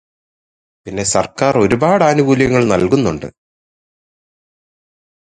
പിന്നെ സർക്കാർ ഒരുപാട് ആനുകൂല്യങ്ങളും തരുന്നുണ്ട്